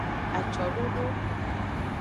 Acododo.